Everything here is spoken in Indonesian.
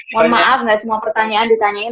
mohon maaf nggak semua pertanyaan ditanyain